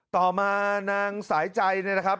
ต่อมานางสายใจเนี่ยนะครับ